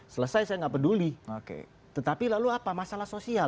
selesai saya tidak peduli